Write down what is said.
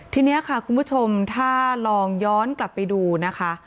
ทีนี้ค่ะคุณผู้ชมถ้าลองย้อนกลับไปดูนะคะ